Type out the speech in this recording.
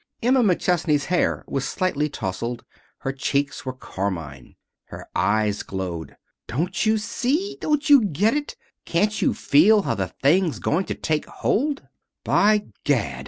Emma McChesney's hair was slightly tousled. Her cheeks were carmine. Her eyes glowed. "Don't you see! Don't you get it! Can't you feel how the thing's going to take hold?" "By Gad!"